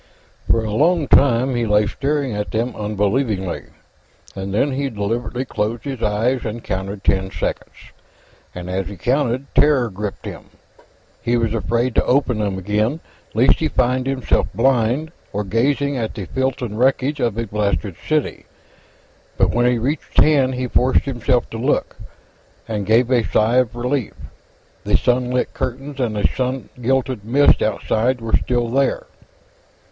For a long time, he lay staring at them unbelievingly, and then he deliberately closed his eyes and counted ten seconds, and as he counted, terror gripped him. He was afraid to open them again, lest he find himself blind, or gazing at the filth and wreckage of a blasted city, but when he reached ten, he forced himself to look, and gave a sigh of relief. The sunlit curtains and the sun gilded mist outside were still there.